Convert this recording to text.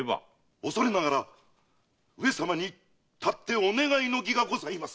おそれながら上様にたってお願いの儀がございます。